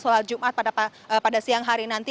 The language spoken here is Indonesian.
sholat jumat pada siang hari nanti